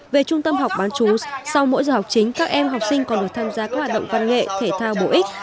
về trung tâm học bán chú sau mỗi giờ học chính các em học sinh còn được tham gia các hoạt động văn nghệ thể thao bổ ích